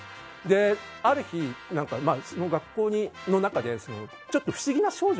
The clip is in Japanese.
ある日、その学校の中でちょっと不思議な少女